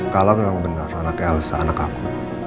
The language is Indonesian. kalau memang benar anaknya elsa anak aku